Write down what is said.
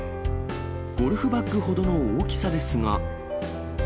ゴルフバッグほどの大きさですが。